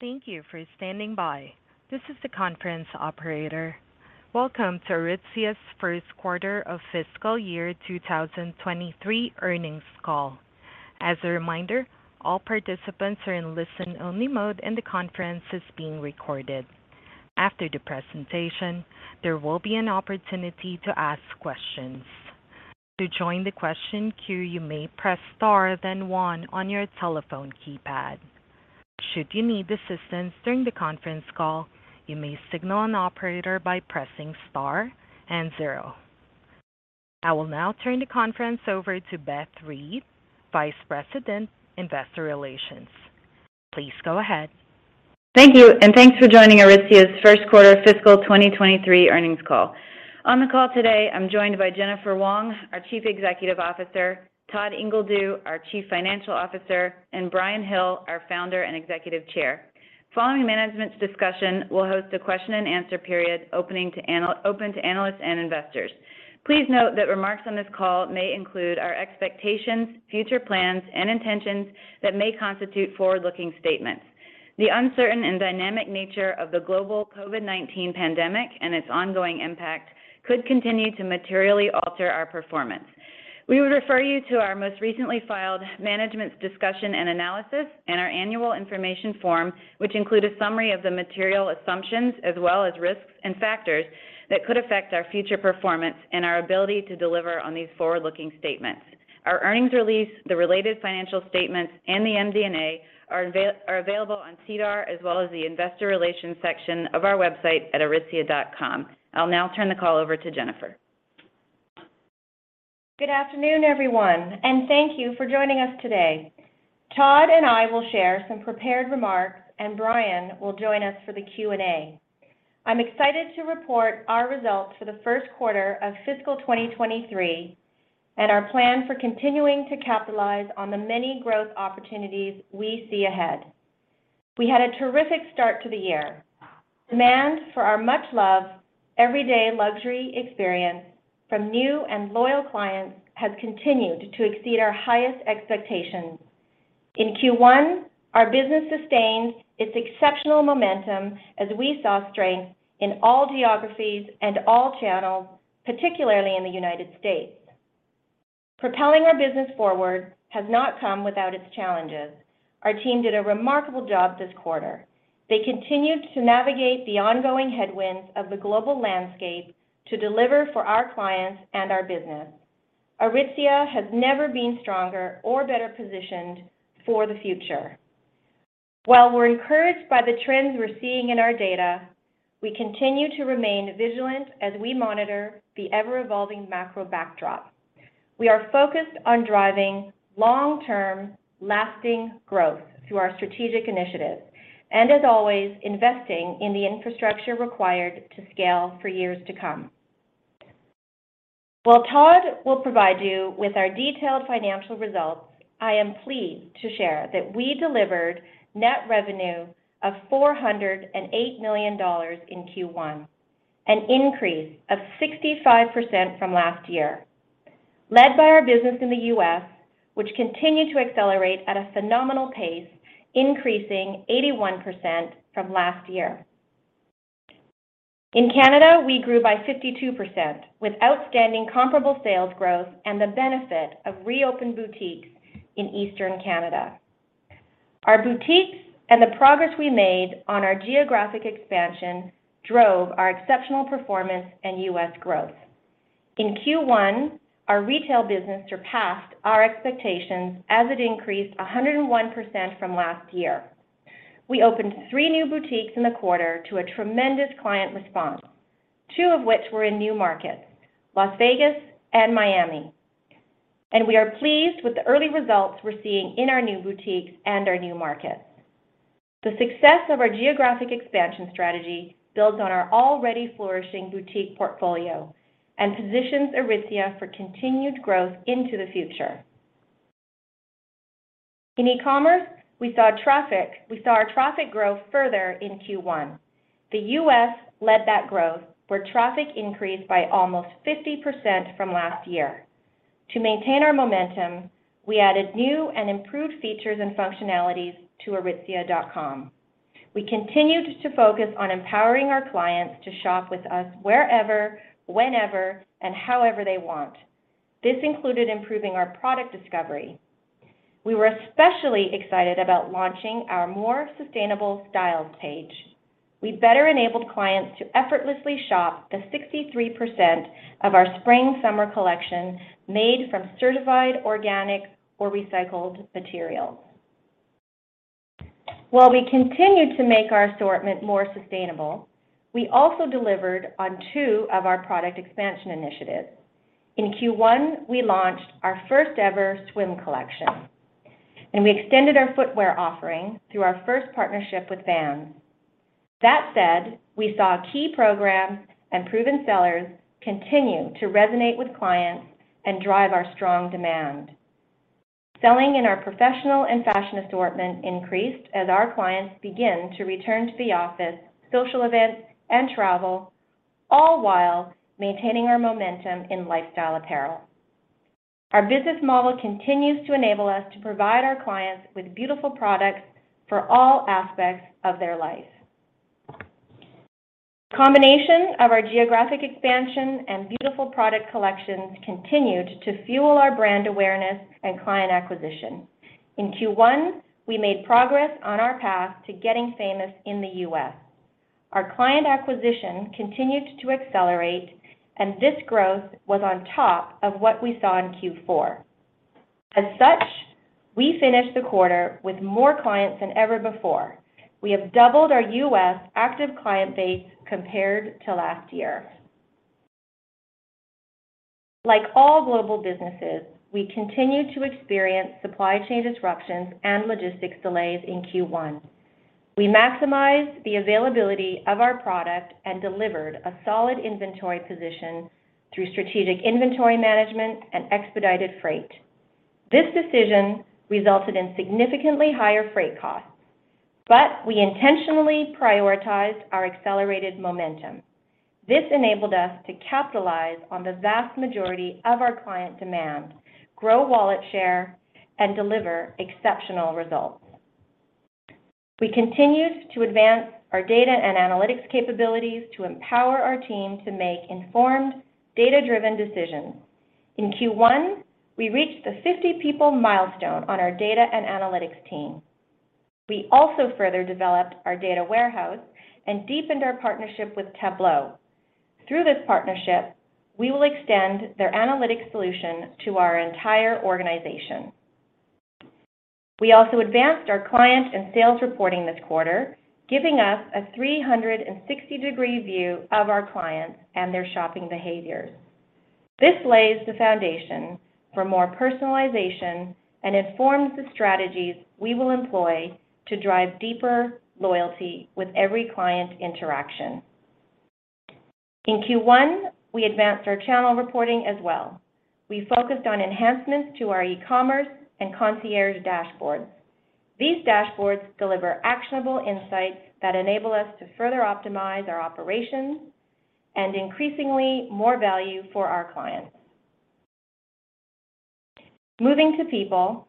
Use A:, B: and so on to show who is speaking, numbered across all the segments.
A: Thank you for standing by. This is the conference operator. Welcome to Aritzia's First Quarter of Fiscal Year 2023 Earnings Call. As a reminder, all participants are in listen-only mode, and the conference is being recorded. After the presentation, there will be an opportunity to ask questions. To join the question queue, you may press star then one on your telephone keypad. Should you need assistance during the conference call, you may signal an operator by pressing star and zero. I will now turn the conference over to Beth Reed, Vice President, Investor Relations. Please go ahead.
B: Thank you, and thanks for joining Aritzia's First Quarter Fiscal 2023 Earnings Call. On the call today, I'm joined by Jennifer Wong, our Chief Executive Officer, Todd Ingledew, our Chief Financial Officer, and Brian Hill, our Founder and Executive Chair. Following management's discussion, we'll host a question-and-answer period open to analysts and investors. Please note that remarks on this call may include our expectations, future plans, and intentions that may constitute forward-looking statements. The uncertain and dynamic nature of the global COVID-19 pandemic and its ongoing impact could continue to materially alter our performance. We would refer you to our most recently filed Management's Discussion and Analysis and our annual information form, which include a summary of the material assumptions as well as risks and factors that could affect our future performance and our ability to deliver on these forward-looking statements. Our earnings release, the related financial statements, and the MD&A are available on SEDAR as well as the investor relations section of our website at aritzia.com. I'll now turn the call over to Jennifer.
C: Good afternoon, everyone, and thank you for joining us today. Todd and I will share some prepared remarks, and Brian will join us for the Q&A. I'm excited to report our results for the first quarter of fiscal 2023 and our plan for continuing to capitalize on the many growth opportunities we see ahead. We had a terrific start to the year. Demand for our much-loved everyday luxury experience from new and loyal clients has continued to exceed our highest expectations. In Q1, our business sustained its exceptional momentum as we saw strength in all geographies and all channels, particularly in the United States. Propelling our business forward has not come without its challenges. Our team did a remarkable job this quarter. They continued to navigate the ongoing headwinds of the global landscape to deliver for our clients and our business. Aritzia has never been stronger or better positioned for the future. While we're encouraged by the trends we're seeing in our data, we continue to remain vigilant as we monitor the ever-evolving macro backdrop. We are focused on driving long-term lasting growth through our strategic initiatives and, as always, investing in the infrastructure required to scale for years to come. While Todd will provide you with our detailed financial results, I am pleased to share that we delivered net revenue of 408 million dollars in Q1, an increase of 65% from last year, led by our business in the U.S., which continued to accelerate at a phenomenal pace, increasing 81% from last year. In Canada, we grew by 52% with outstanding comparable sales growth and the benefit of reopened boutiques in Eastern Canada. Our boutiques and the progress we made on our geographic expansion drove our exceptional performance and U.S. growth. In Q1, our retail business surpassed our expectations as it increased 101% from last year. We opened 3 new boutiques in the quarter to a tremendous client response, two of which were in new markets, Las Vegas and Miami. We are pleased with the early results we're seeing in our new boutiques and our new markets. The success of our geographic expansion strategy builds on our already flourishing boutique portfolio and positions Aritzia for continued growth into the future. In e-commerce, we saw our traffic grow further in Q1. The U.S. led that growth, where traffic increased by almost 50% from last year. To maintain our momentum, we added new and improved features and functionalities to Aritzia.com. We continued to focus on empowering our clients to shop with us wherever, whenever, and however they want. This included improving our product discovery. We were especially excited about launching our More Sustainable Styles page. We better enabled clients to effortlessly shop the 63% of our spring/summer collection made from certified organic or recycled materials. While we continued to make our assortment more sustainable, we also delivered on two of our product expansion initiatives. In Q1, we launched our first-ever swim collection, and we extended our footwear offering through our first partnership with Vans. That said, we saw key programs and proven sellers continue to resonate with clients and drive our strong demand. Selling in our professional and fashion assortment increased as our clients begin to return to the office, social events, and travel, all while maintaining our momentum in lifestyle apparel. Our business model continues to enable us to provide our clients with beautiful products for all aspects of their life. Combination of our geographic expansion and beautiful product collections continued to fuel our brand awareness and client acquisition. In Q1, we made progress on our path to getting famous in the U.S. Our client acquisition continued to accelerate, and this growth was on top of what we saw in Q4. As such, we finished the quarter with more clients than ever before. We have doubled our U.S. active client base compared to last year. Like all global businesses, we continue to experience supply chain disruptions and logistics delays in Q1. We maximize the availability of our product and delivered a solid inventory position through strategic inventory management and expedited freight. This decision resulted in significantly higher freight costs, but we intentionally prioritized our accelerated momentum. This enabled us to capitalize on the vast majority of our client demand, grow wallet share, and deliver exceptional results. We continued to advance our data and analytics capabilities to empower our team to make informed, data-driven decisions. In Q1, we reached the 50 people milestone on our data and analytics team. We also further developed our data warehouse and deepened our partnership with Tableau. Through this partnership, we will extend their analytic solution to our entire organization. We also advanced our client and sales reporting this quarter, giving us a 360-degree view of our clients and their shopping behaviors. This lays the foundation for more personalization and informs the strategies we will employ to drive deeper loyalty with every client interaction. In Q1, we advanced our channel reporting as well. We focused on enhancements to our e-commerce and concierge dashboards. These dashboards deliver actionable insights that enable us to further optimize our operations and increasingly more value for our clients. Moving to people,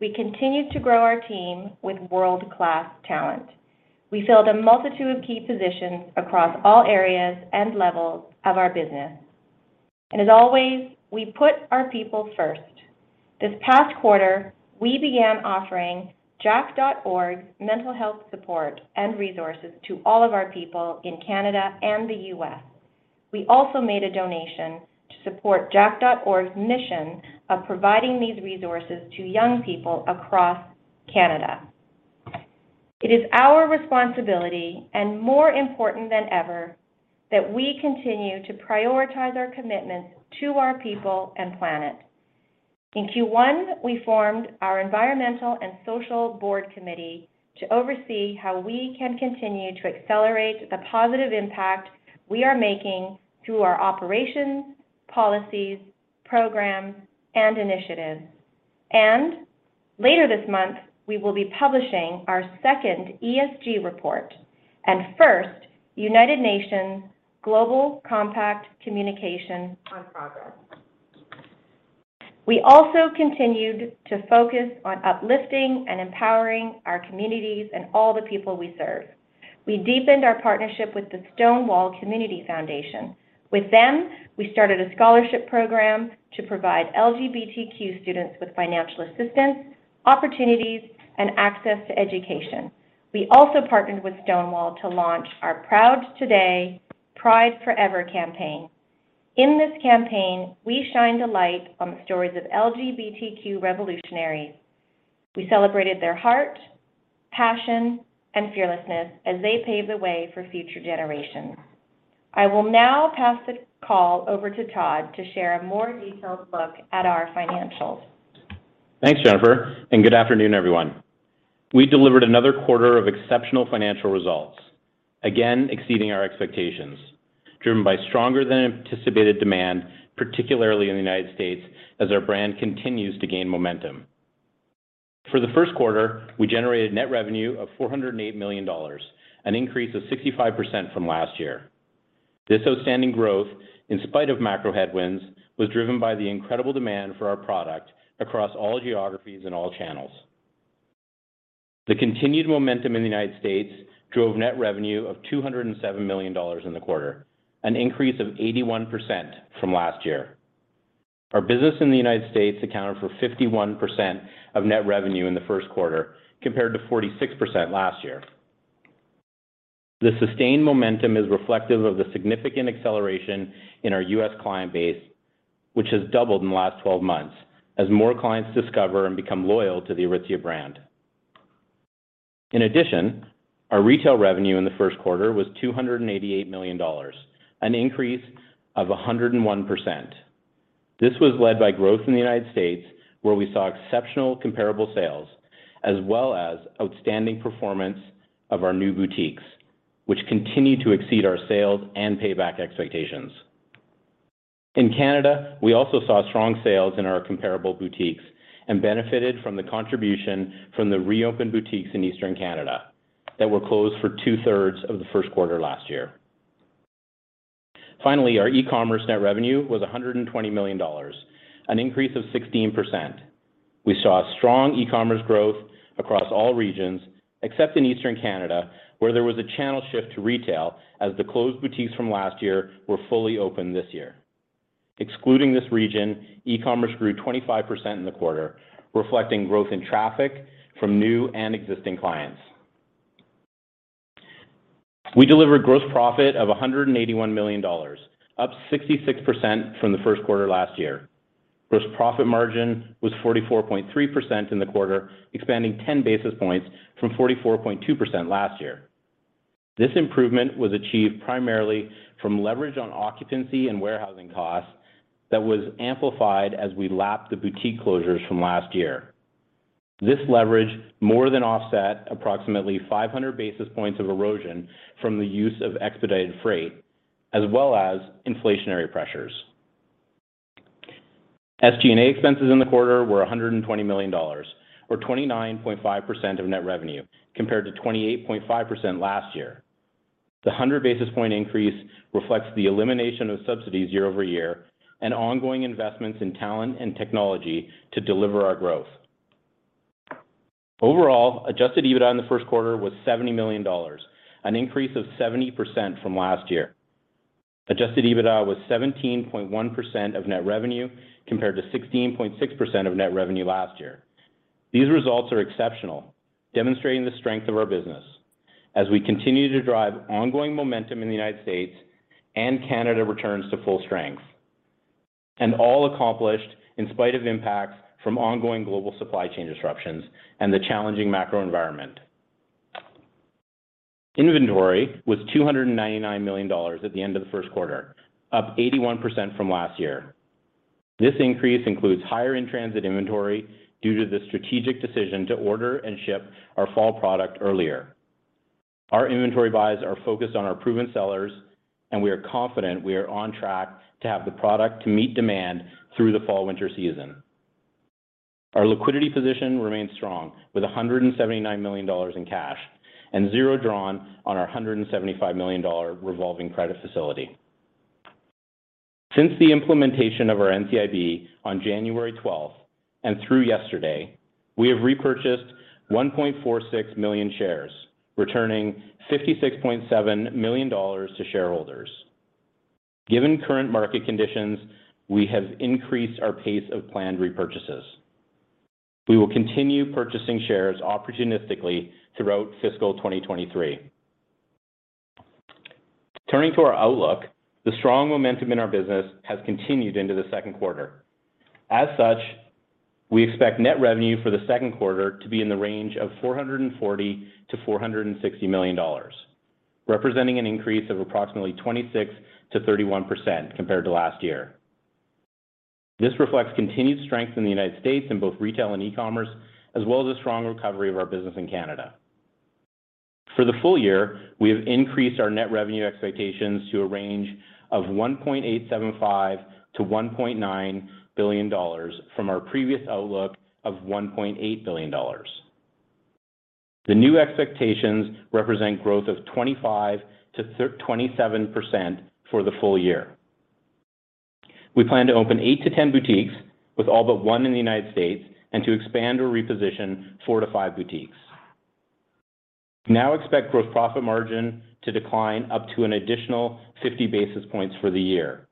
C: we continued to grow our team with world-class talent. We filled a multitude of key positions across all areas and levels of our business. As always, we put our people first. This past quarter, we began offering Jack.org mental health support and resources to all of our people in Canada and the U.S. We also made a donation to support jack.org's mission of providing these resources to young people across Canada. It is our responsibility, and more important than ever, that we continue to prioritize our commitments to our people and planet. In Q1, we formed our environmental and social board committee to oversee how we can continue to accelerate the positive impact we are making through our operations, policies, programs, and initiatives. Later this month, we will be publishing our second ESG report and first United Nations Global Compact Communication on Progress. We also continued to focus on uplifting and empowering our communities and all the people we serve. We deepened our partnership with the Stonewall Community Foundation. With them, we started a scholarship program to provide LGBTQ students with financial assistance, opportunities, and access to education. We also partnered with Stonewall to launch our Proud Today, Pride Forever campaign. In this campaign, we shined a light on the stories of LGBTQ revolutionaries. We celebrated their heart, passion, and fearlessness as they paved the way for future generations. I will now pass the call over to Todd to share a more detailed look at our financials.
D: Thanks, Jennifer, and good afternoon, everyone. We delivered another quarter of exceptional financial results, again exceeding our expectations, driven by stronger than anticipated demand, particularly in the United States, as our brand continues to gain momentum. For the first quarter, we generated net revenue of 408 million dollars, an increase of 65% from last year. This outstanding growth, in spite of macro headwinds, was driven by the incredible demand for our product across all geographies and all channels. The continued momentum in the United States drove net revenue of 207 million dollars in the quarter, an increase of 81% from last year. Our business in the United States accounted for 51% of net revenue in the first quarter, compared to 46% last year. The sustained momentum is reflective of the significant acceleration in our U.S. client base, which has doubled in the last 12 months as more clients discover and become loyal to the Aritzia brand. In addition, our retail revenue in the first quarter was 288 million dollars, an increase of 101%. This was led by growth in the United States, where we saw exceptional comparable sales as well as outstanding performance of our new boutiques, which continue to exceed our sales and payback expectations. In Canada, we also saw strong sales in our comparable boutiques and benefited from the contribution from the reopened boutiques in Eastern Canada that were closed for 2/3 of the first quarter last year. Finally, our e-commerce net revenue was 120 million dollars, an increase of 16%. We saw a strong e-commerce growth across all regions, except in Eastern Canada, where there was a channel shift to retail as the closed boutiques from last year were fully open this year. Excluding this region, e-commerce grew 25% in the quarter, reflecting growth in traffic from new and existing clients. We delivered gross profit of 181 million dollars, up 66% from the first quarter last year. Gross profit margin was 44.3% in the quarter, expanding 10 basis points from 44.2% last year. This improvement was achieved primarily from leverage on occupancy and warehousing costs that was amplified as we lapped the boutique closures from last year. This leverage more than offset approximately 500 basis points of erosion from the use of expedited freight as well as inflationary pressures. SG&A expenses in the quarter were 120 million dollars, or 29.5% of net revenue, compared to 28.5% last year. The 100 basis point increase reflects the elimination of subsidies year-over-year and ongoing investments in talent and technology to deliver our growth. Overall, adjusted EBITDA in the first quarter was 70 million dollars, an increase of 70% from last year. Adjusted EBITDA was 17.1% of net revenue compared to 16.6% of net revenue last year. These results are exceptional, demonstrating the strength of our business as we continue to drive ongoing momentum in the United States and Canada returns to full strength, and all accomplished in spite of impacts from ongoing global supply chain disruptions and the challenging macro environment. Inventory was 299 million dollars at the end of the first quarter, up 81% from last year. This increase includes higher in-transit inventory due to the strategic decision to order and ship our fall product earlier. Our inventory buys are focused on our proven sellers, and we are confident we are on track to have the product to meet demand through the fall/winter season. Our liquidity position remains strong, with 179 million dollars in cash and zero drawn on our 175 million dollar revolving credit facility. Since the implementation of our NCIB on January 12 and through yesterday, we have repurchased 1.46 million shares, returning 56.7 million dollars to shareholders. Given current market conditions, we have increased our pace of planned repurchases. We will continue purchasing shares opportunistically throughout fiscal 2023. Turning to our outlook, the strong momentum in our business has continued into the second quarter. As such, we expect net revenue for the second quarter to be in the range of 440 million-460 million dollars, representing an increase of approximately 26%-31% compared to last year. This reflects continued strength in the United States in both retail and e-commerce, as well as a strong recovery of our business in Canada. For the full year, we have increased our net revenue expectations to a range of 1.875 billion-1.9 billion dollars from our previous outlook of 1.8 billion dollars. The new expectations represent growth of 25%-27% for the full year. We plan to open 8-10 boutiques, with all but one in the United States, and to expand or reposition four to five boutiques. We now expect gross profit margin to decline up to an additional 50 basis points for the year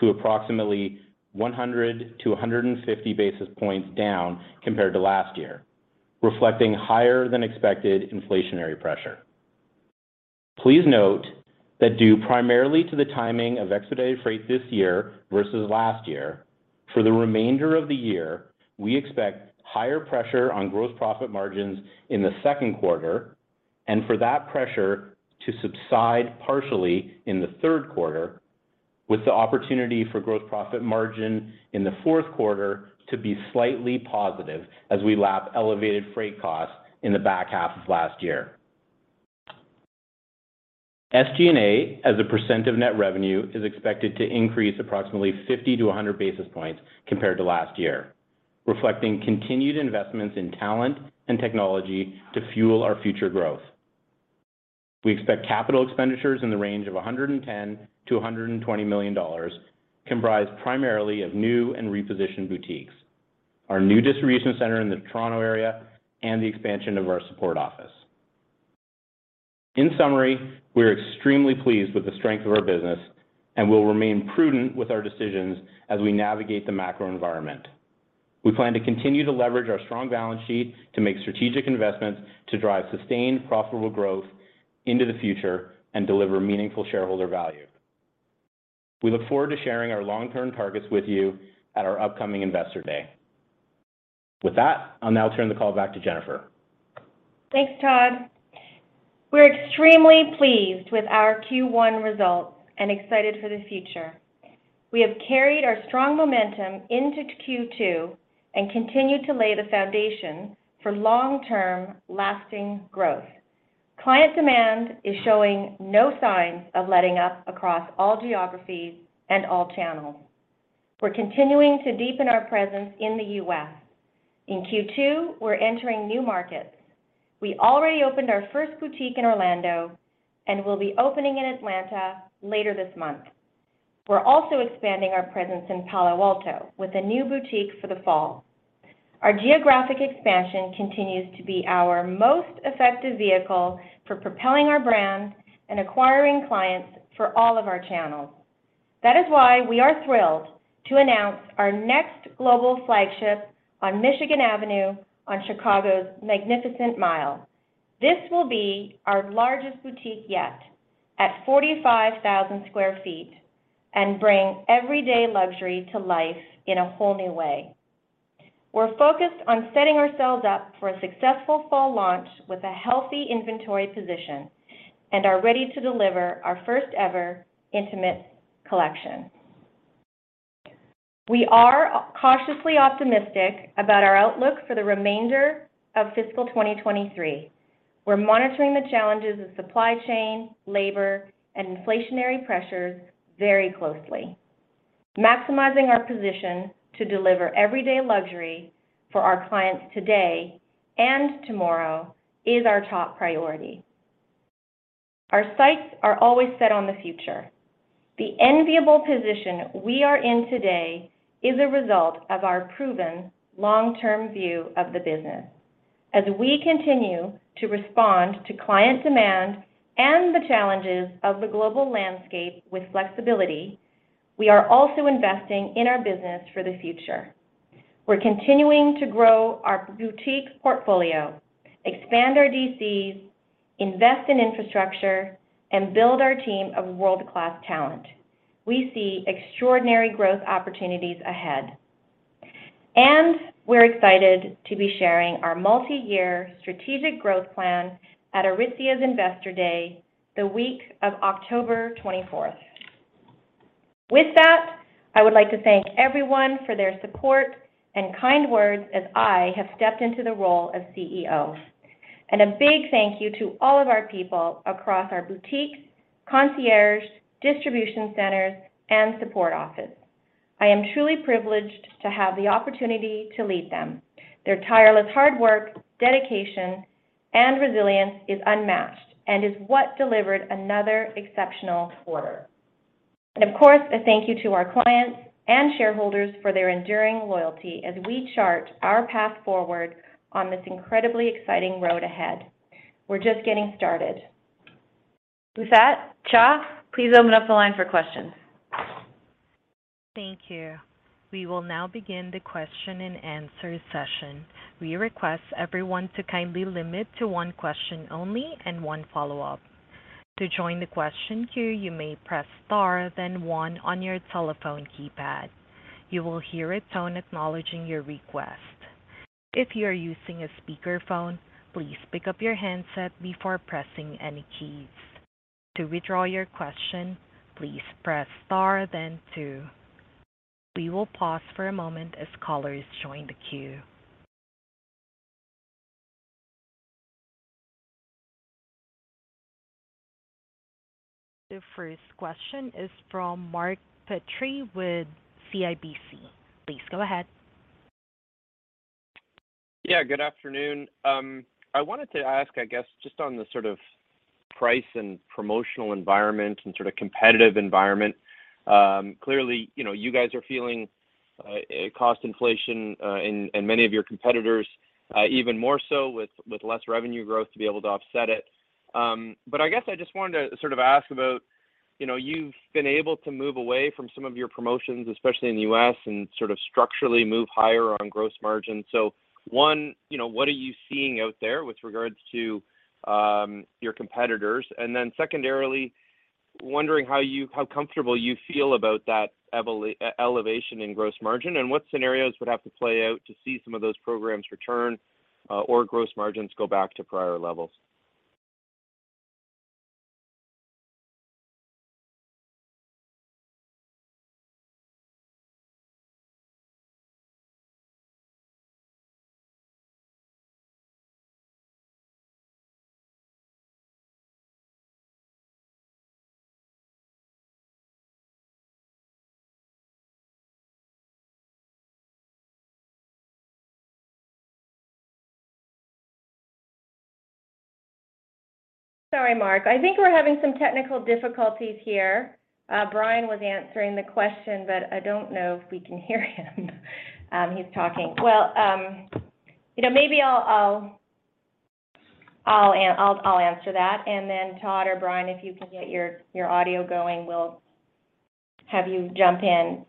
D: to approximately 100-150 basis points down compared to last year, reflecting higher than expected inflationary pressure. Please note that due primarily to the timing of expedited freight this year versus last year, for the remainder of the year, we expect higher pressure on gross profit margins in the second quarter and for that pressure to subside partially in the third quarter with the opportunity for gross profit margin in the fourth quarter to be slightly positive as we lap elevated freight costs in the back half of last year. SG&A, as a percent of net revenue, is expected to increase approximately 50 to 100 basis points compared to last year, reflecting continued investments in talent and technology to fuel our future growth. We expect capital expenditures in the range of 110 million-120 million dollars, comprised primarily of new and repositioned boutiques, our new distribution center in the Toronto area, and the expansion of our support office. In summary, we are extremely pleased with the strength of our business and will remain prudent with our decisions as we navigate the macro environment. We plan to continue to leverage our strong balance sheet to make strategic investments to drive sustained, profitable growth into the future and deliver meaningful shareholder value. We look forward to sharing our long-term targets with you at our upcoming Investor Day. With that, I'll now turn the call back to Jennifer.
C: Thanks, Todd. We're extremely pleased with our Q1 results and excited for the future. We have carried our strong momentum into Q2 and continue to lay the foundation for long-term lasting growth. Client demand is showing no signs of letting up across all geographies and all channels. We're continuing to deepen our presence in the U.S. In Q2, we're entering new markets. We already opened our first boutique in Orlando and will be opening in Atlanta later this month. We're also expanding our presence in Palo Alto with a new boutique for the fall. Our geographic expansion continues to be our most effective vehicle for propelling our brand and acquiring clients for all of our channels. That is why we are thrilled to announce our next global flagship on Michigan Avenue on Chicago's Magnificent Mile. This will be our largest boutique yet at 45,000 sq ft and bring everyday luxury to life in a whole new way. We're focused on setting ourselves up for a successful fall launch with a healthy inventory position and are ready to deliver our first ever intimate collection. We are cautiously optimistic about our outlook for the remainder of fiscal 2023. We're monitoring the challenges of supply chain, labor, and inflationary pressures very closely. Maximizing our position to deliver everyday luxury for our clients today and tomorrow is our top priority. Our sights are always set on the future. The enviable position we are in today is a result of our proven long-term view of the business. As we continue to respond to client demand and the challenges of the global landscape with flexibility, we are also investing in our business for the future. We're continuing to grow our boutique portfolio, expand our DCs, invest in infrastructure, and build our team of world-class talent. We see extraordinary growth opportunities ahead, and we're excited to be sharing our multi-year strategic growth plan at Aritzia's Investor Day, the week of October 24th. With that, I would like to thank everyone for their support and kind words as I have stepped into the role of CEO. A big thank you to all of our people across our boutiques, concierge, distribution centers, and support office. I am truly privileged to have the opportunity to lead them. Their tireless hard work, dedication, and resilience is unmatched and is what delivered another exceptional quarter. Of course, a thank you to our clients and shareholders for their enduring loyalty as we chart our path forward on this incredibly exciting road ahead. We're just getting started. With that, Cha, please open up the line for questions.
A: Thank you. We will now begin the question-and-answer session. We request everyone to kindly limit to one question only and one follow-up. To join the question queue, you may press star then one on your telephone keypad. You will hear a tone acknowledging your request. If you are using a speakerphone, please pick up your handset before pressing any keys. To withdraw your question, please press star then two. We will pause for a moment as callers join the queue. The first question is from Mark Petrie with CIBC. Please go ahead.
E: Yeah, good afternoon. I wanted to ask, I guess, just on the sort of price and promotional environment and sort of competitive environment. Clearly, you know, you guys are feeling cost inflation, and many of your competitors even more so with less revenue growth to be able to offset it. I guess I just wanted to sort of ask about, you know, you've been able to move away from some of your promotions, especially in the U.S., and sort of structurally move higher on gross margin. One, you know, what are you seeing out there with regards to your competitors? Secondarily, wondering how comfortable you feel about that elevation in gross margin, and what scenarios would have to play out to see some of those programs return, or gross margins go back to prior levels?
C: Sorry, Mark. I think we're having some technical difficulties here. Brian was answering the question, but I don't know if we can hear him. He's talking. Well, you know, maybe I'll answer that, and then Todd or Brian, if you can get your audio going, we'll have you jump in.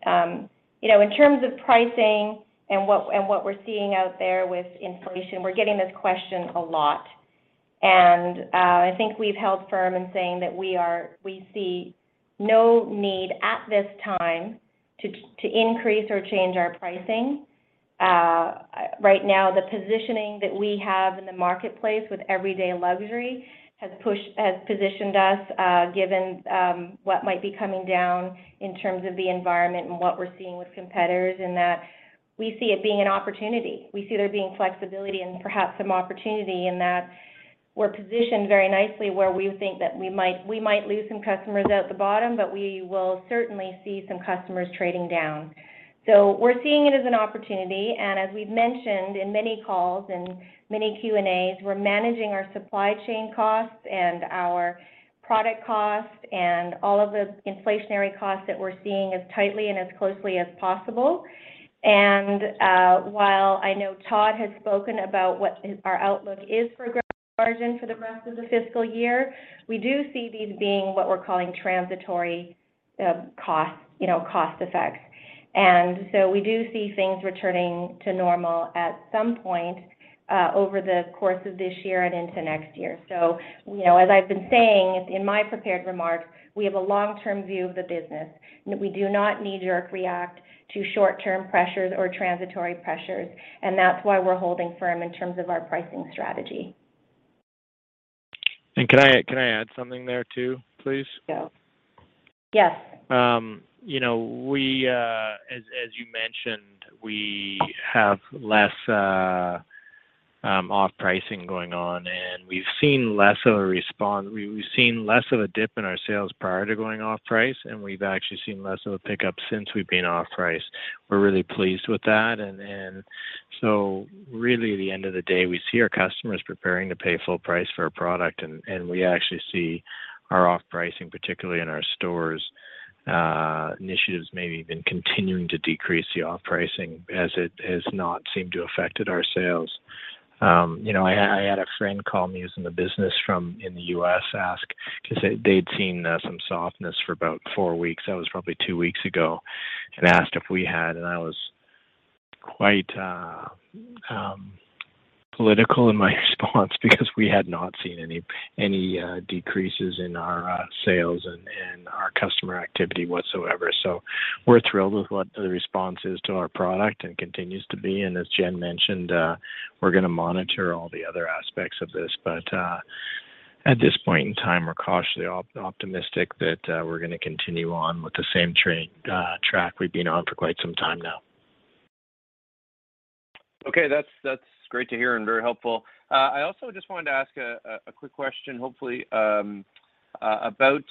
C: You know, in terms of pricing and what we're seeing out there with inflation, we're getting this question a lot. I think we've held firm in saying that we see no need at this time to increase or change our pricing. Right now, the positioning that we have in the marketplace with everyday luxury has positioned us, given what might be coming down in terms of the environment and what we're seeing with competitors, in that we see it being an opportunity. We see there being flexibility and perhaps some opportunity in that. We're positioned very nicely where we think that we might lose some customers at the bottom, but we will certainly see some customers trading down. We're seeing it as an opportunity. As we've mentioned in many calls and many Q&As, we're managing our supply chain costs and our product costs and all of the inflationary costs that we're seeing as tightly and as closely as possible. While I know Todd has spoken about our outlook is for gross margin for the rest of the fiscal year, we do see these being what we're calling transitory costs, you know, cost effects. We do see things returning to normal at some point over the course of this year and into next year. You know, as I've been saying in my prepared remarks, we have a long-term view of the business, and we do not knee-jerk react to short-term pressures or transitory pressures, and that's why we're holding firm in terms of our pricing strategy.
F: Can I add something there too, please?
C: Yeah. Yes.
F: You know, as you mentioned, we have less off pricing going on, and we've seen less of a response. We've seen less of a dip in our sales prior to going off price, and we've actually seen less of a pickup since we've been off price. We're really pleased with that. Really at the end of the day, we see our customers preparing to pay full price for a product, and we actually see our off pricing, particularly in our stores, initiatives maybe even continuing to decrease the off pricing as it has not seemed to affect our sales. You know, I had a friend call me who's in the business from in the U.S. ask, 'cause they'd seen some softness for about four weeks, that was probably two weeks ago, and asked if we had, and I was quite political in my response because we had not seen any decreases in our sales and our customer activity whatsoever. We're thrilled with what the response is to our product and continues to be. As Jen mentioned, we're gonna monitor all the other aspects of this, but at this point in time, we're cautiously optimistic that we're gonna continue on with the same track we've been on for quite some time now.
E: Okay. That's great to hear and very helpful. I also just wanted to ask a quick question hopefully about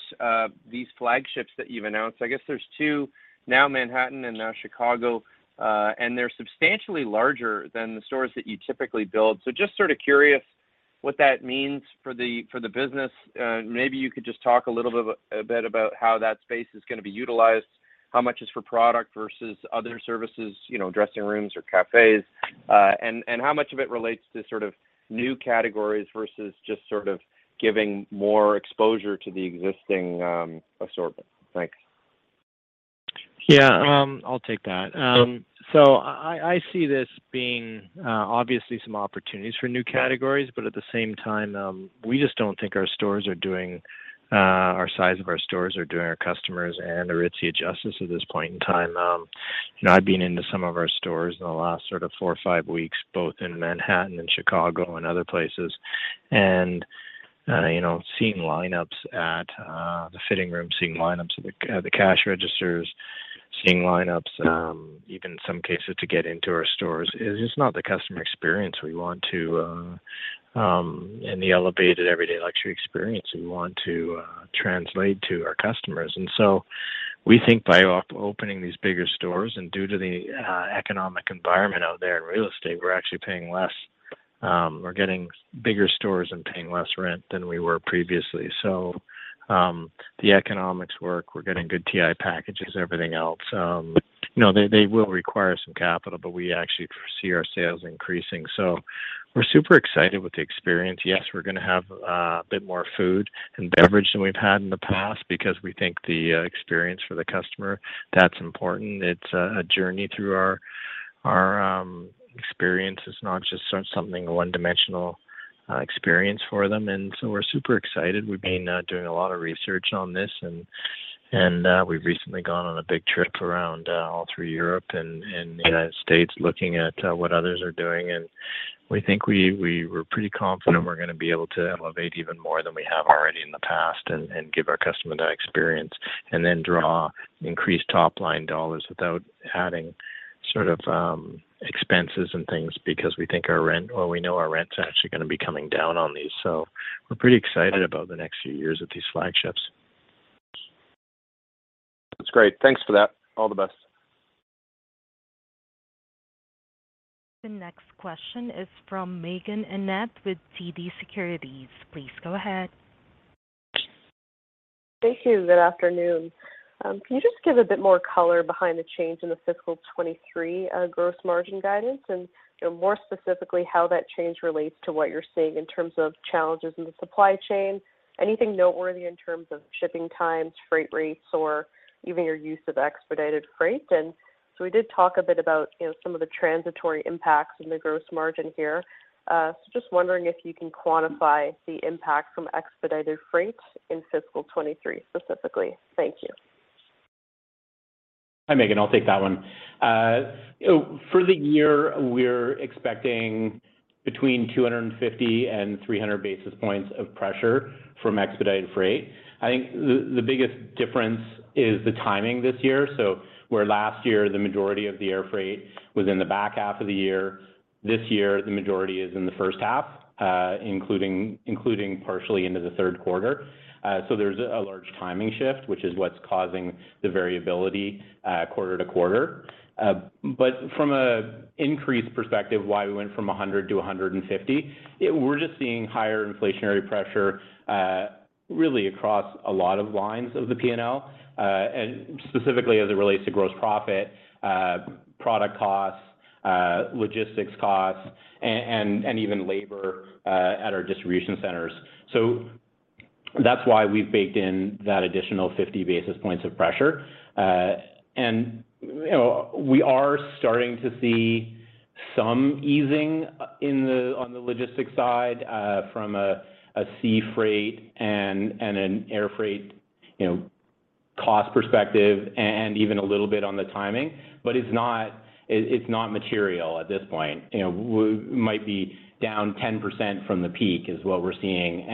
E: these flagships that you've announced. I guess there's two now, Manhattan and now Chicago, and they're substantially larger than the stores that you typically build. Just sort of curious what that means for the business. Maybe you could just talk a little bit about how that space is gonna be utilized, how much is for product versus other services, you know, dressing rooms or cafes, and how much of it relates to sort of new categories versus just sort of giving more exposure to the existing assortment. Thanks.
F: Yeah. I'll take that. So I see this being obviously some opportunities for new categories, but at the same time, we just don't think the size of our stores is doing our customers and Aritzia justice at this point in time. You know, I've been into some of our stores in the last sort of four or five weeks, both in Manhattan and Chicago and other places. You know, seeing lineups at the fitting room, seeing lineups at the cash registers, seeing lineups even in some cases to get into our stores is just not the customer experience we want to. In the elevated everyday luxury experience we want to translate to our customers. We think by opening these bigger stores and due to the economic environment out there in real estate, we're actually paying less. We're getting bigger stores and paying less rent than we were previously. The economics work, we're getting good TI packages, everything else. You know, they will require some capital, but we actually foresee our sales increasing, so we're super excited with the experience. Yes, we're gonna have a bit more food and beverage than we've had in the past because we think the experience for the customer, that's important. It's a journey through our experience. It's not just something one-dimensional experience for them, and we're super excited. We've been doing a lot of research on this and we've recently gone on a big trip around all through Europe and the United States looking at what others are doing, and we think we're pretty confident we're gonna be able to elevate even more than we have already in the past and give our customer that experience. Then draw increased top-line dollars without adding sort of expenses and things because we think our rent, or we know our rent's actually gonna be coming down on these. We're pretty excited about the next few years with these flagships.
E: That's great. Thanks for that. All the best.
A: The next question is from Meaghan Annett with TD Cowen. Please go ahead.
G: Thank you. Good afternoon. Can you just give a bit more color behind the change in the fiscal 2023 gross margin guidance and, you know, more specifically how that change relates to what you're seeing in terms of challenges in the supply chain, anything noteworthy in terms of shipping times, freight rates, or even your use of expedited freight? We did talk a bit about, you know, some of the transitory impacts in the gross margin here. Just wondering if you can quantify the impact from expedited freight in fiscal 2023 specifically. Thank you.
D: Hi, Meaghan, I'll take that one. You know, for the year, we're expecting between 250 and 300 basis points of pressure from expedited freight. I think the biggest difference is the timing this year. Where last year, the majority of the air freight was in the back half of the year, this year, the majority is in the first half, including partially into the third quarter. There's a large timing shift, which is what's causing the variability quarter to quarter. From an increase perspective, why we went from 100 to 150, it. We're just seeing higher inflationary pressure really across a lot of lines of the P&L, and specifically as it relates to gross profit, product costs, logistics costs, and even labor at our distribution centers. That's why we've baked in that additional 50 basis points of pressure. You know, we are starting to see some easing on the logistics side from a sea freight and an air freight cost perspective and even a little bit on the timing, but it's not material at this point. You know, we might be down 10% from the peak is what we're seeing.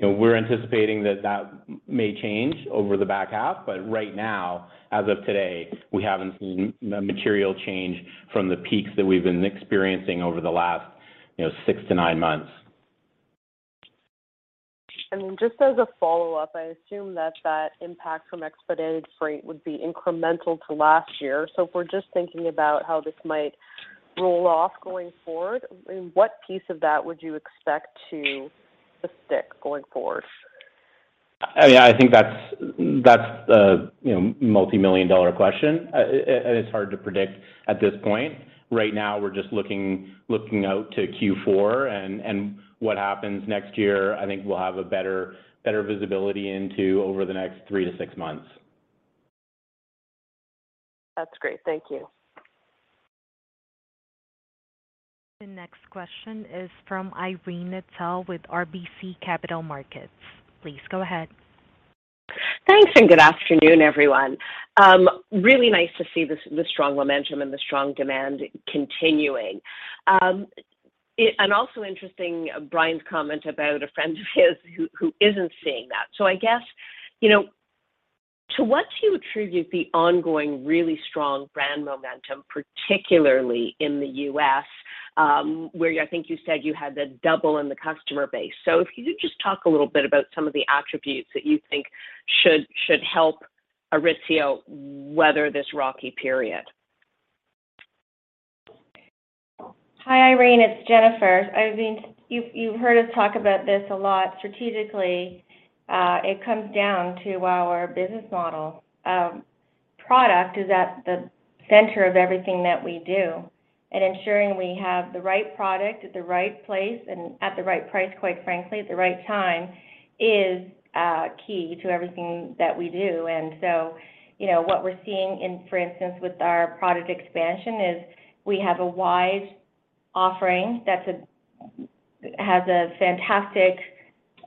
D: We're anticipating that may change over the back half. Right now, as of today, we haven't seen a material change from the peaks that we've been experiencing over the last, you know, six to nine months.
G: Just as a follow-up, I assume that impact from expedited freight would be incremental to last year. If we're just thinking about how this might roll off going forward, I mean, what piece of that would you expect to stick going forward?
D: I mean, I think that's, you know, a multimillion-dollar question. It's hard to predict at this point. Right now, we're just looking out to Q4 and what happens next year. I think we'll have a better visibility into over the next three to six months.
G: That's great. Thank you.
A: The next question is from Irene Nattel with RBC Capital Markets. Please go ahead.
H: Thanks. Good afternoon, everyone. Really nice to see the strong momentum and the strong demand continuing. Also interesting Brian's comment about a friend of his who isn't seeing that. I guess, you know, to what do you attribute the ongoing really strong brand momentum, particularly in the U.S., where I think you said you had the double in the customer base. If you could just talk a little bit about some of the attributes that you think should help Aritzia weather this rocky period.
C: Hi, Irene, it's Jennifer. I mean, you've heard us talk about this a lot strategically. It comes down to our business model. Product is at the center of everything that we do, and ensuring we have the right product at the right place and at the right price, quite frankly, at the right time is key to everything that we do. You know, what we're seeing, for instance, with our product expansion is we have a wide offering that has a fantastic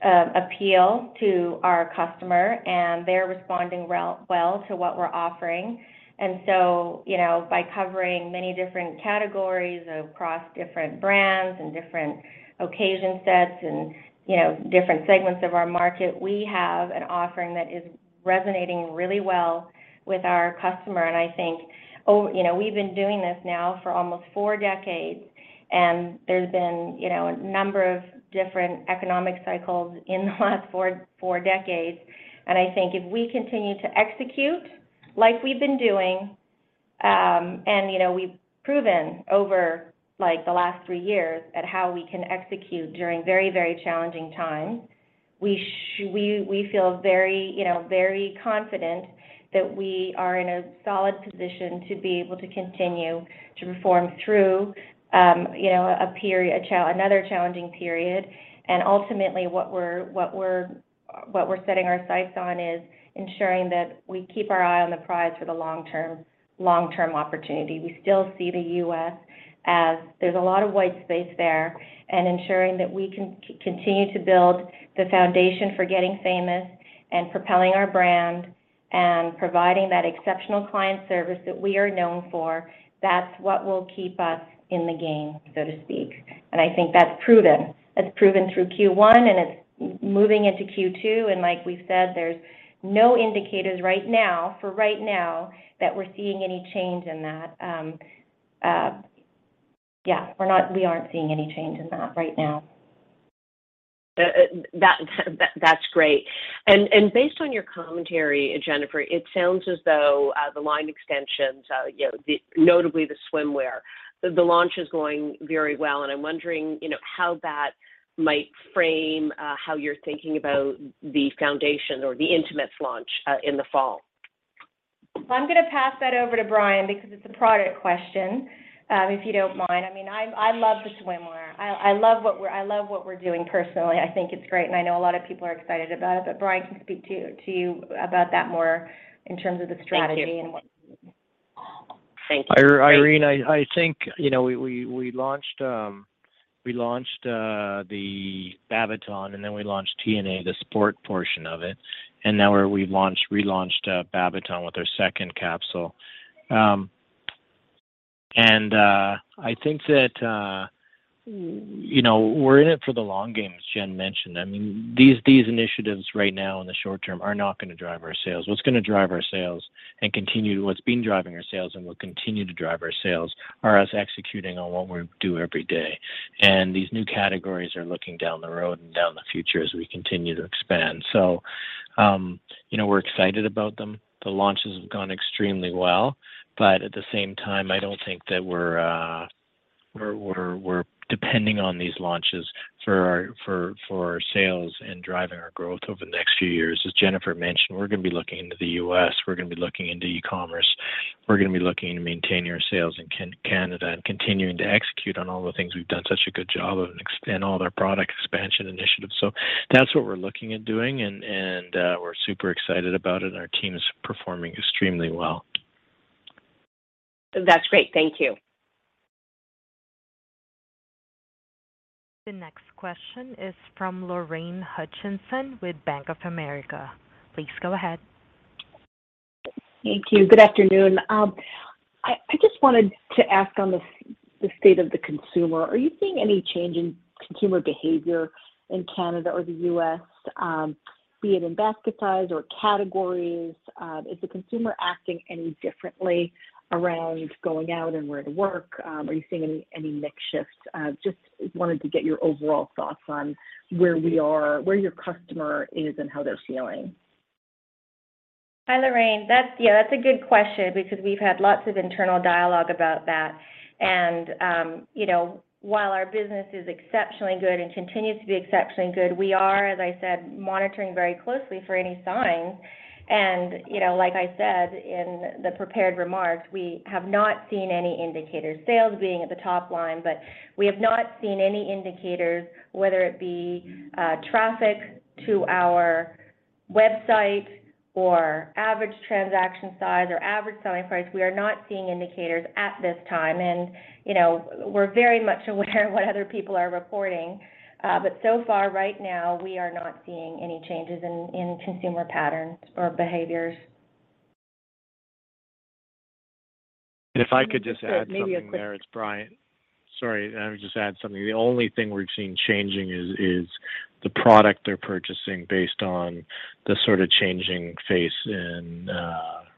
C: appeal to our customer, and they're responding well to what we're offering. You know, by covering many different categories across different brands and different occasion sets and, you know, different segments of our market, we have an offering that is resonating really well with our customer. I think, you know, we've been doing this now for almost four decades, and there's been, you know, a number of different economic cycles in the last four decades. I think if we continue to execute like we've been doing, and you know, we've proven over, like, the last three years at how we can execute during very challenging times, we feel very, you know, very confident that we are in a solid position to be able to continue to perform through, you know, a period, another challenging period. Ultimately, what we're setting our sights on is ensuring that we keep our eye on the prize for the long-term opportunity. We still see the U.S. as there's a lot of white space there, and ensuring that we can continue to build the foundation for getting famous and propelling our brand and providing that exceptional client service that we are known for, that's what will keep us in the game, so to speak. I think that's proven. That's proven through Q1, and it's moving into Q2. Like we said, there's no indicators right now, for right now that we're seeing any change in that. Yeah, we aren't seeing any change in that right now.
H: That's great. Based on your commentary, Jennifer, it sounds as though the line extensions, you know, notably the swimwear launch is going very well. I'm wondering, you know, how that might frame how you're thinking about the foundation or the intimates launch in the fall.
C: I'm gonna pass that over to Brian because it's a product question, if you don't mind. I mean, I love the swimwear. I love what we're doing personally. I think it's great, and I know a lot of people are excited about it, but Brian can speak to you about that more in terms of the strategy and what.
F: Irene, I think, you know, we launched the Babaton, and then we launched TNA, the sport portion of it. Now we've relaunched Babaton with our second capsule. I think that, you know, we're in it for the long game, as Jen mentioned. I mean, these initiatives right now in the short term are not gonna drive our sales. What's gonna drive our sales and continue what's been driving our sales and will continue to drive our sales are us executing on what we do every day. These new categories are looking down the road and down the future as we continue to expand. You know, we're excited about them. The launches have gone extremely well. At the same time, I don't think that we're depending on these launches for our sales and driving our growth over the next few years. As Jennifer mentioned, we're gonna be looking into the U.S., we're gonna be looking into e-commerce, we're gonna be looking to maintain our sales in Canada and continuing to execute on all the things we've done such a good job of and extend all of our product expansion initiatives. That's what we're looking at doing, we're super excited about it, and our team is performing extremely well.
H: That's great. Thank you.
A: The next question is from Lorraine Hutchinson with Bank of America. Please go ahead.
I: Thank you. Good afternoon. I just wanted to ask on the state of the consumer. Are you seeing any change in consumer behavior in Canada or the U.S., be it in basket size or categories? Is the consumer acting any differently around going out and where to work? Are you seeing any mix shifts? Just wanted to get your overall thoughts on where we are, where your customer is, and how they're feeling.
C: Hi, Lorraine. That's a good question because we've had lots of internal dialogue about that. You know, while our business is exceptionally good and continues to be exceptionally good, we are, as I said, monitoring very closely for any signs. You know, like I said in the prepared remarks, we have not seen any indicators, sales being at the top line, but we have not seen any indicators, whether it be traffic to our website or average transaction size or average selling price. We are not seeing indicators at this time. You know, we're very much aware what other people are reporting. But so far right now, we are not seeing any changes in consumer patterns or behaviors.
F: If I could just add something there.
I: Sure.
F: It's Brian. Sorry, let me just add something. The only thing we're seeing changing is the product they're purchasing based on the sort of changing face and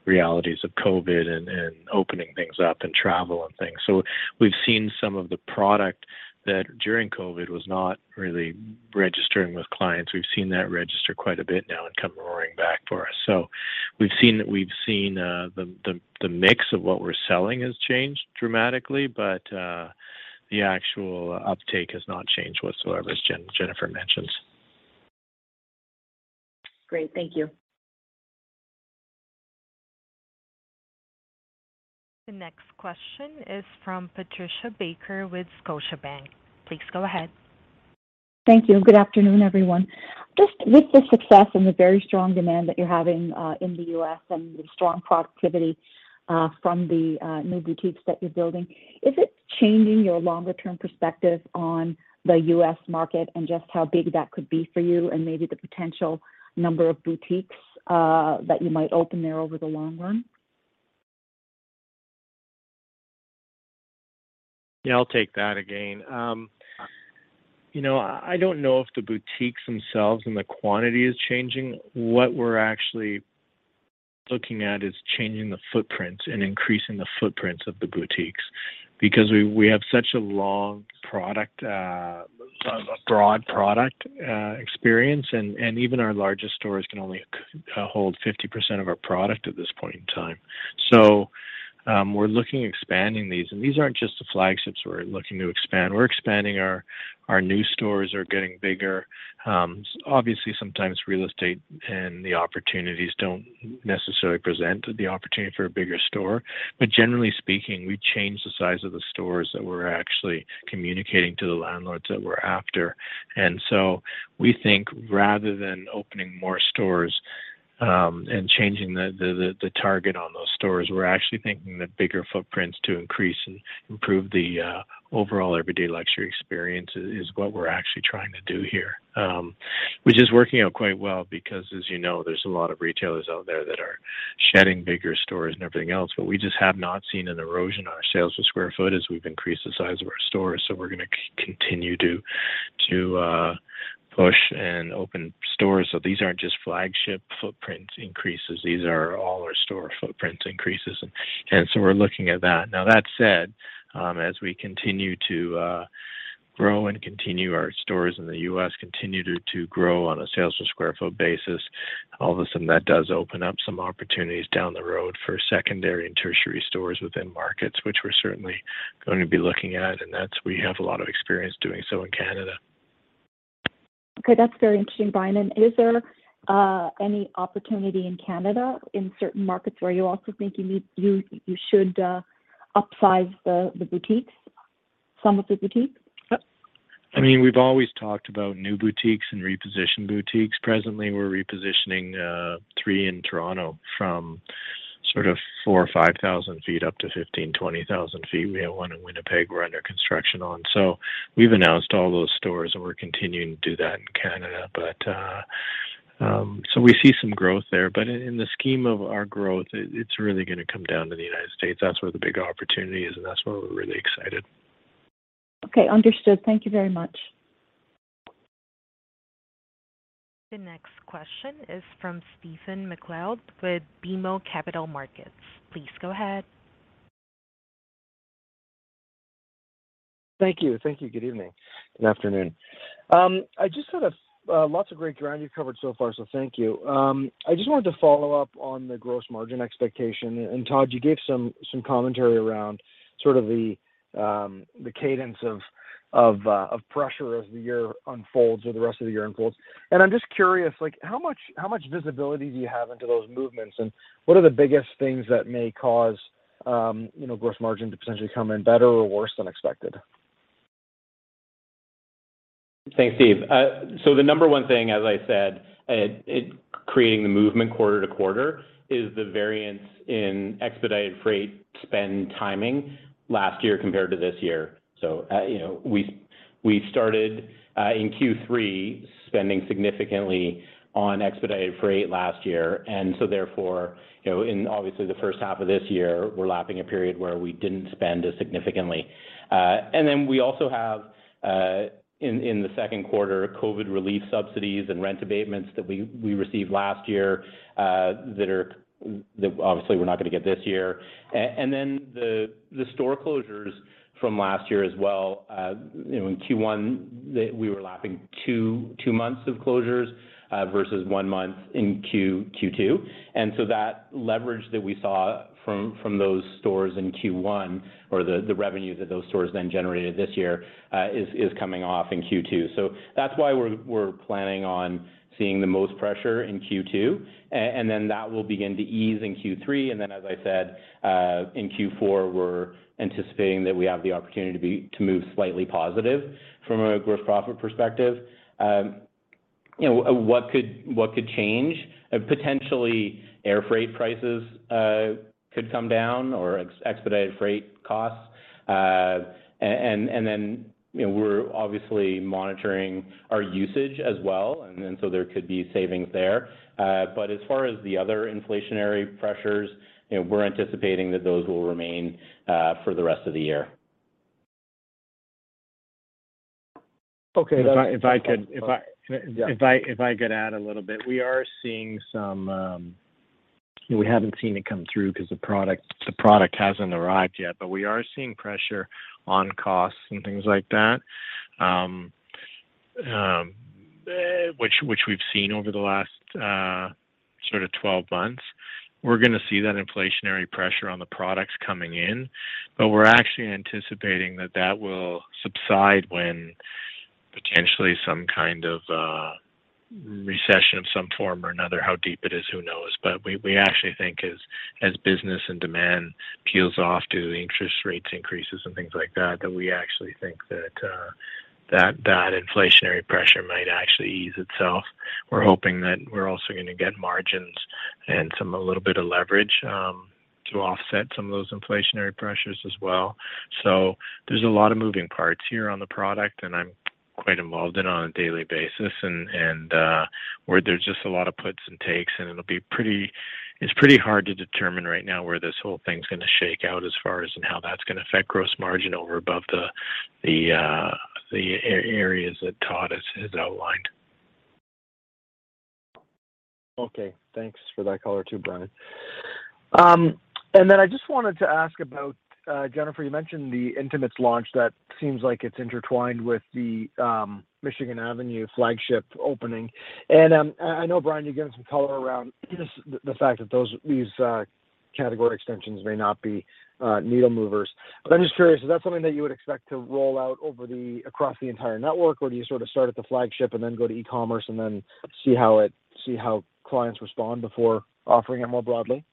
F: realities of COVID and opening things up and travel and things. We've seen some of the product that during COVID was not really registering with clients. We've seen that register quite a bit now and come roaring back for us. We've seen the mix of what we're selling has changed dramatically, but the actual uptake has not changed whatsoever, as Jennifer mentioned.
I: Great. Thank you.
A: The next question is from Patricia Baker with Scotiabank. Please go ahead.
J: Thank you. Good afternoon, everyone. Just with the success and the very strong demand that you're having in the U.S. and the strong productivity from the new boutiques that you're building, is it changing your longer term perspective on the U.S. market and just how big that could be for you and maybe the potential number of boutiques that you might open there over the long run?
F: Yeah, I'll take that again. You know, I don't know if the boutiques themselves and the quantity is changing. What we're actually looking at is changing the footprint and increasing the footprint of the boutiques. Because we have such a broad product experience, and even our largest stores can only hold 50% of our product at this point in time. We're looking at expanding these, and these aren't just the flagships we're looking to expand. We're expanding our new stores are getting bigger. Obviously sometimes real estate and the opportunities don't necessarily present the opportunity for a bigger store. Generally speaking, we change the size of the stores that we're actually communicating to the landlords that we're after. We think rather than opening more stores, and changing the target on those stores, we're actually thinking that bigger footprints to increase and improve the overall everyday luxury experience is what we're actually trying to do here. Which is working out quite well because, as you know, there's a lot of retailers out there that are shedding bigger stores and everything else, but we just have not seen an erosion on our sales per square foot as we've increased the size of our stores. We're gonna continue to push and open stores. These aren't just flagship footprint increases, these are all our store footprint increases. We're looking at that. Now that said, as we continue to grow and continue our stores in the U.S., continue to grow on a sales per square foot basis, all of a sudden that does open up some opportunities down the road for secondary and tertiary stores within markets, which we're certainly going to be looking at, and that's. We have a lot of experience doing so in Canada.
J: Okay. That's very interesting, Brian. Is there any opportunity in Canada in certain markets where you also think you should upsize the boutiques, some of the boutiques?
F: I mean, we've always talked about new boutiques and repositioned boutiques. Presently, we're repositioning three in Toronto from sort of 4,000 ft or five 5,000 ft up to 15,000 ft-20,000 ft. We have one in Winnipeg we're under construction on. We've announced all those stores, and we're continuing to do that in Canada. We see some growth there, but in the scheme of our growth, it's really gonna come down to the United States. That's where the big opportunity is, and that's why we're really excited.
J: Okay. Understood. Thank you very much.
A: The next question is from Stephen MacLeod with BMO Capital Markets. Please go ahead.
K: Thank you. Thank you. Good evening. Good afternoon. I just had lots of great ground you've covered so far, so thank you. I just wanted to follow up on the gross margin expectation. Todd, you gave some commentary around sort of the cadence of pressure as the year unfolds or the rest of the year unfolds. I'm just curious, like how much visibility do you have into those movements, and what are the biggest things that may cause you know, gross margin to potentially come in better or worse than expected?
D: Thanks, Steve. The number one thing, as I said, creating the momentum quarter-to-quarter is the variance in expedited freight spend timing last year compared to this year. You know, we started in Q3 spending significantly on expedited freight last year, and so therefore, you know, in obviously the first half of this year, we're lapping a period where we didn't spend as significantly. And then we also have in the second quarter, COVID relief subsidies and rent abatements that we received last year, that obviously we're not gonna get this year. And then the store closures from last year as well. You know, in Q1 that we were lapping two months of closures versus one month in Q2. That leverage that we saw from those stores in Q1 or the revenue that those stores then generated this year is coming off in Q2. That's why we're planning on seeing the most pressure in Q2, and then that will begin to ease in Q3. As I said, in Q4, we're anticipating that we have the opportunity to move slightly positive from a gross profit perspective. You know, what could change? Potentially air freight prices could come down or expedited freight costs. And then, you know, we're obviously monitoring our usage as well, and there could be savings there. But as far as the other inflationary pressures, you know, we're anticipating that those will remain for the rest of the year.
K: Okay.
F: If I could.
K: Yeah.
F: If I could add a little bit, we are seeing some. We haven't seen it come through 'cause the product hasn't arrived yet, but we are seeing pressure on costs and things like that, which we've seen over the last sort of 12 months. We're gonna see that inflationary pressure on the products coming in, but we're actually anticipating that that will subside when potentially some kind of recession of some form or another, how deep it is, who knows. We actually think as business and demand peels off due to interest rates increases and things like that we actually think that that inflationary pressure might actually ease itself. We're hoping that we're also gonna get margins and some a little bit of leverage to offset some of those inflationary pressures as well. There's a lot of moving parts here on the product, and I'm quite involved in on a daily basis, where there's just a lot of puts and takes, and it'll be pretty hard to determine right now where this whole thing's gonna shake out as far as in how that's gonna affect gross margin over above the areas that Todd has outlined.
K: Okay. Thanks for that color too, Brian. Then I just wanted to ask about, Jennifer, you mentioned the intimates launch that seems like it's intertwined with the Michigan Avenue flagship opening. I know, Brian, you gave some color around this, the fact that these category extensions may not be needle movers. I'm just curious, is that something that you would expect to roll out across the entire network, or do you sort of start at the flagship and then go to e-commerce and then see how clients respond before offering it more broadly?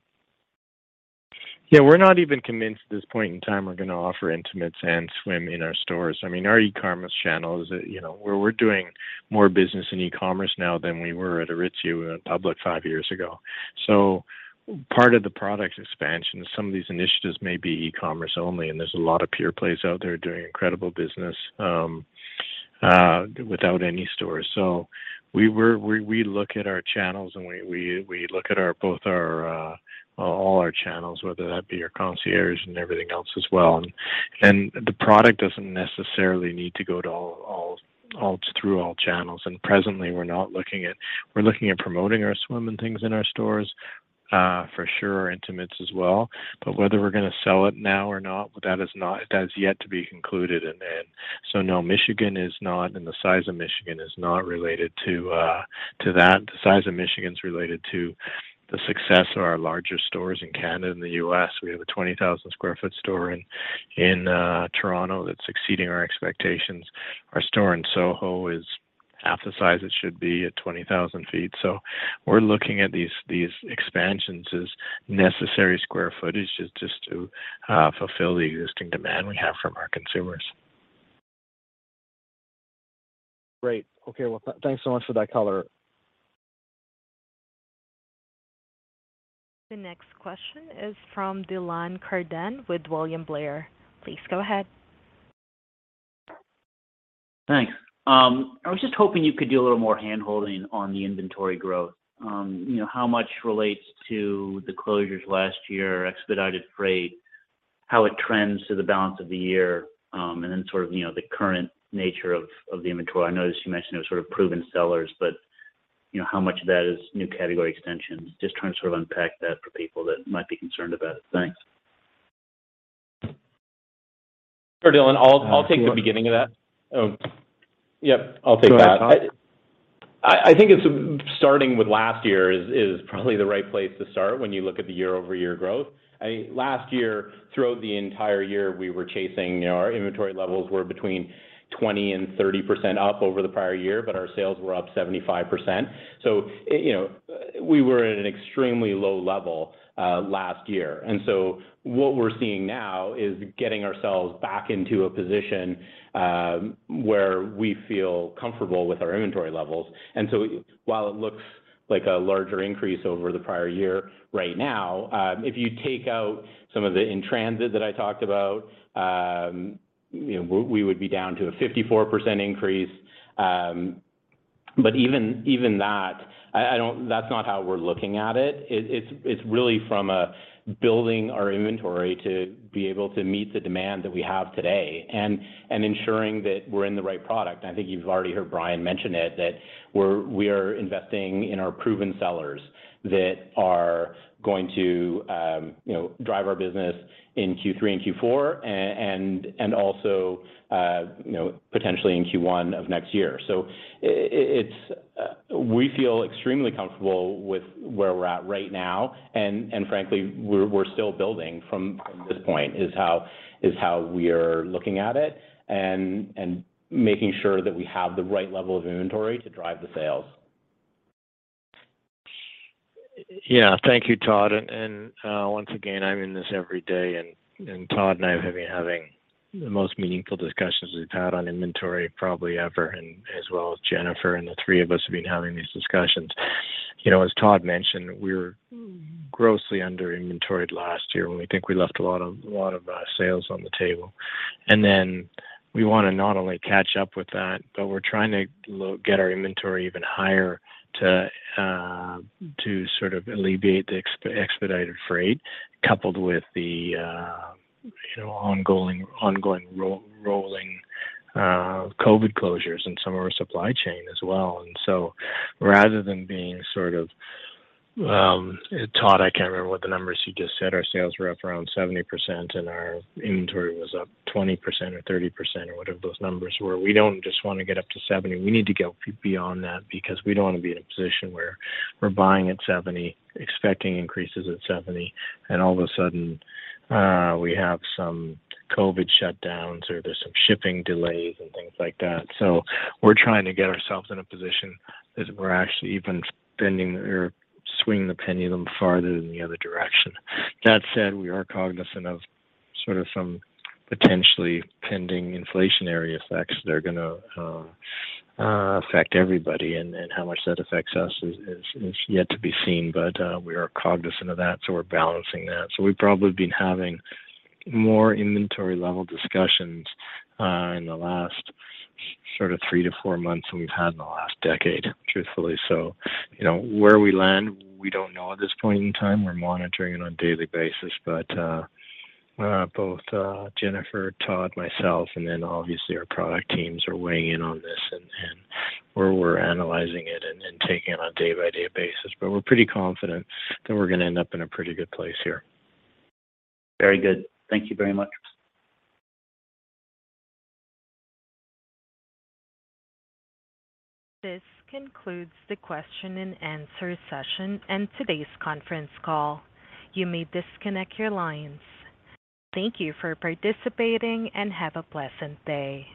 F: Yeah, we're not even convinced at this point in time we're gonna offer intimates and swim in our stores. I mean, our e-commerce channel is, you know, we're doing more business in e-commerce now than we were at Aritzia when it went public five years ago. So part of the product expansion of some of these initiatives may be e-commerce only, and there's a lot of pure plays out there doing incredible business without any stores. We look at our channels, and we look at all our channels, whether that be your concierge and everything else as well. The product doesn't necessarily need to go to all through all channels. Presently we're not looking at... We're looking at promoting our swim and things in our stores, for sure, our intimates as well. Whether we're gonna sell it now or not, that is yet to be concluded. No, Michigan is not, and the size of Michigan is not related to that. The size of Michigan is related to the success of our larger stores in Canada and the U.S. We have a 20,000 sq ft store in Toronto that's exceeding our expectations. Our store in Soho is half the size it should be at 20,000 sq ft. We're looking at these expansions as necessary square footage just to fulfill the existing demand we have from our consumers.
K: Great. Okay. Well, thanks so much for that color.
A: The next question is from Dylan Carden with William Blair. Please go ahead.
L: Thanks. I was just hoping you could do a little more hand-holding on the inventory growth. You know, how much relates to the closures last year, expedited freight, how it trends to the balance of the year, and then sort of, you know, the current nature of the inventory. I noticed you mentioned it was sort of proven sellers, but, you know, how much of that is new category extensions? Just trying to sort of unpack that for people that might be concerned about it. Thanks.
D: For Dylan, I'll take the beginning of that. Oh, yep, I'll take that.
F: Go ahead, Todd.
D: I think it's starting with last year is probably the right place to start when you look at the year-over-year growth. I mean, last year, throughout the entire year, we were chasing. You know, our inventory levels were between 20 and 30% up over the prior year, but our sales were up 75%. You know, we were at an extremely low level last year. What we're seeing now is getting ourselves back into a position where we feel comfortable with our inventory levels. While it looks like a larger increase over the prior year right now, if you take out some of the in-transit that I talked about, you know, we would be down to a 54% increase. Even that, I don't. That's not how we're looking at it. It's really about building our inventory to be able to meet the demand that we have today and ensuring that we're in the right product. I think you've already heard Brian mention it, that we are investing in our proven sellers that are going to, you know, drive our business in Q3 and Q4, and also, you know, potentially in Q1 of next year. It's. We feel extremely comfortable with where we're at right now. Frankly, we're still building from this point, is how we are looking at it and making sure that we have the right level of inventory to drive the sales.
F: Yeah. Thank you, Todd. Once again, I'm in this every day, and Todd and I have been having the most meaningful discussions we've had on inventory probably ever, and as well as Jennifer, and the three of us have been having these discussions. You know, as Todd mentioned, we were grossly under-inventoried last year, and we think we left a lot of sales on the table. Then we want to not only catch up with that, but we're trying to get our inventory even higher to sort of alleviate the expedited freight, coupled with the, you know, ongoing rolling COVID closures in some of our supply chain as well. Rather than being sort of, Todd, I can't remember what the numbers you just said. Our sales were up around 70% and our inventory was up 20% or 30% or whatever those numbers were. We don't just wanna get up to 70. We need to get beyond that because we don't wanna be in a position where we're buying at 70, expecting increases at 70, and all of a sudden we have some COVID shutdowns or there's some shipping delays and things like that. We're trying to get ourselves in a position that we're actually even bending or swinging the pendulum farther than the other direction. That said, we are cognizant of sort of some potentially pending inflationary effects that are gonna affect everybody, and how much that affects us is yet to be seen. We are cognizant of that, so we're balancing that. We've probably been having more inventory level discussions in the last sort of three to four months than we've had in the last decade, truthfully. You know, where we land, we don't know at this point in time. We're monitoring it on a daily basis. Both Jennifer, Todd, myself, and then obviously our product teams are weighing in on this and where we're analyzing it and taking it on a day-by-day basis. We're pretty confident that we're gonna end up in a pretty good place here.
L: Very good. Thank you very much.
A: This concludes the question and answer session and today's conference call. You may disconnect your lines. Thank you for participating, and have a pleasant day.